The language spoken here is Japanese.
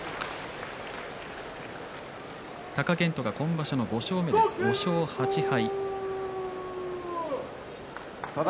貴健斗が今場所の５勝目です５勝８敗。